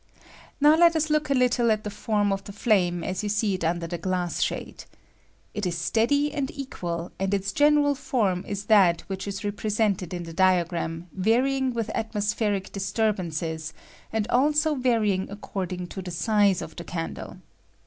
Now let us look a httJe at the form of the flame as you see it under the glass shade. It is steady and equal, and its general form is that "=» SHAPE OF FLAME. ■which is represented in the diagram, varying with atmospheric diatuTbances, and also vary It will aj ^^L of the ^^^ft Spemu ing according to the size of the candle.